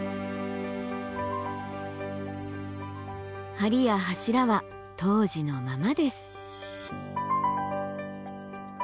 梁や柱は当時のままです。